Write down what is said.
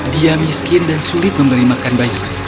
dia miskin dan sulit memberi makan bayinya